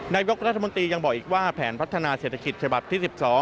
นายกรัฐมนตรียังบอกอีกว่าแผนพัฒนาเศรษฐกิจฉบับที่๑๒